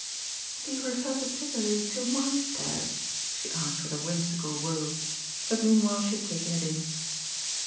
"Do you refer particularly to MY stairs?" she asked with her whimsical woe. But meanwhile she had taken it in.